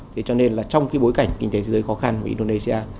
thế cho nên là trong cái bối cảnh kinh tế thế giới khó khăn của indonesia